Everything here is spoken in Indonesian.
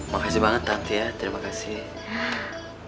makasih banget tante ya terima kasih